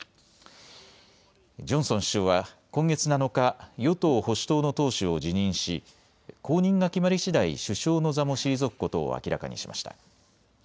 ジョンソン首相は今月７日、与党・保守党の党首を辞任し後任が決まりしだい首相の座も退くことを明らかにしました。